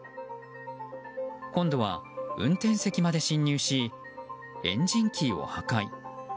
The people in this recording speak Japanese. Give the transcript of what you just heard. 今度は運転席まで侵入しエンジンキーを破壊。